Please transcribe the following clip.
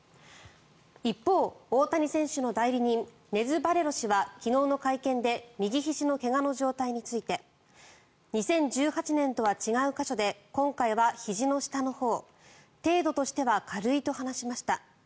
一方、大谷選手の代理人ネズ・バレロ氏は昨日の会見で右ひじの怪我の状態について２０１８年とは違う箇所で今回はひじの下のほう程度としては軽いと話しました。